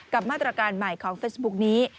กับมาตรการใหม่ของเฟซบุ๊คนี้